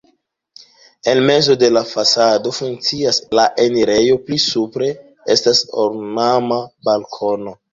En mezo de la fasado funkcias la enirejo, pli supre estas ornama balkono.